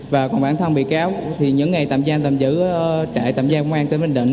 và còn bản thân bị cáo thì những ngày tạm giam tạm giữ trại tạm giam công an tỉnh bình định